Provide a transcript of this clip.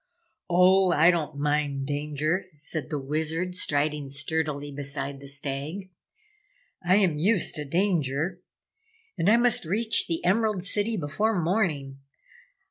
"Oh, I don't mind danger," said the Wizard, striding sturdily beside the Stag. "I am used to danger and I must reach the Emerald City before morning!